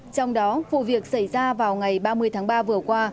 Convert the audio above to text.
trong đó vụ việc xảy ra vào ngày ba mươi tháng ba vừa qua